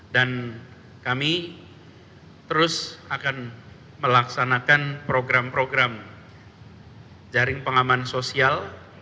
dan kami terus akan melaksanakan program program jaring pengaman sosial